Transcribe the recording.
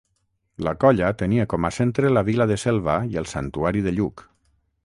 La colla tenia com a centre la vila de Selva i el santuari de Lluc.